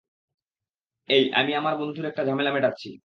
এই, আমি বন্ধুর একটা ঝামেলা মেটাচ্ছি।